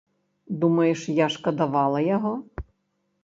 Думаеш, я шкадавала яго?